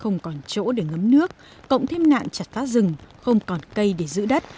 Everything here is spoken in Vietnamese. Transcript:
không còn chỗ để ngấm nước cộng thêm nạn chặt phá rừng không còn cây để giữ đất